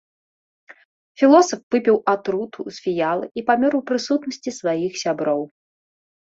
Філосаф выпіў атруту з фіялы і памёр у прысутнасці сваіх сяброў.